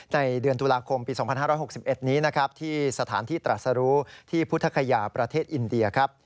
ในเดือนตุลาคมปี๒๕๖๑นี้ที่สถานที่ตราสรุที่พุทธภัยประเทศอินเดีย